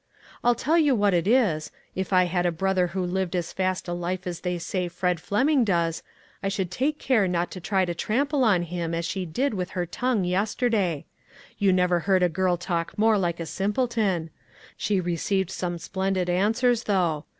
I'll tell you what it is, if I had a brother who lived as fast a life as they say Fred Fleming does, I would take care not to try to trample on him as she did with her tongue yesterday. You never heard a girl talk more like a simpleton! She received some splendid answers, though.